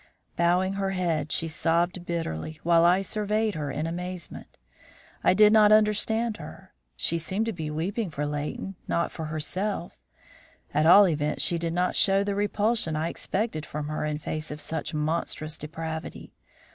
Bowing her head, she sobbed bitterly, while I surveyed her in amazement. I did not understand her. She seemed to be weeping for Leighton, not for herself; at all events she did not show the repulsion I expected from her in face of such monstrous depravity.